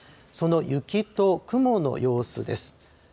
その雪と雲の様子です。